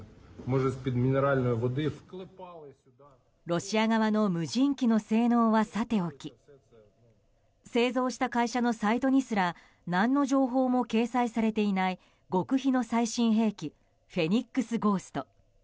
ロシア側の無人機の性能はさておき製造した会社のサイトにすら何の情報も掲載されていない極秘の最新兵器フェニックスゴースト。